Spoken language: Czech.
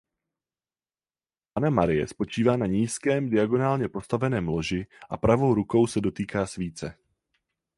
Panna Marie spočívá na nízkém diagonálně postaveném loži a pravou rukou se dotýká svíce.